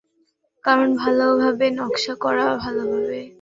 কারণ, ভালোভাবে নকশা করা, ভালোভাবে নির্মিত ভবন সাধারণত ভূমিকম্পেও ভাঙে না।